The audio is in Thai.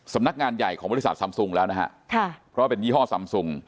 สำนักงานใหญ่ของบริษัทซำซุงแล้วนะฮะค่ะเพราะว่าเป็นยี่ห้อซำซุง